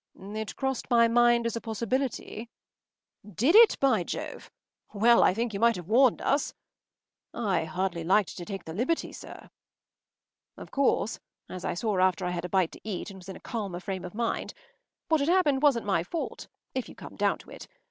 ” “It crossed my mind as a possibility.” “Did it, by Jove! Well, I think, you might have warned us!” “I hardly liked to take the liberty, sir.” Of course, as I saw after I had had a bite to eat and was in a calmer frame of mind, what had happened wasn’t my fault, if you come down to it.